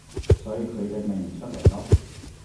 所以佢哋咪唔出嚟囉